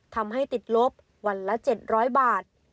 ทำให้ติดลบวันละ๗๐๐บาท